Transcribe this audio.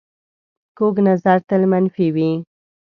کوږ نظر تل منفي وي